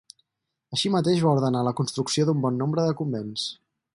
Així mateix va ordenar la construcció d'un bon nombre de convents.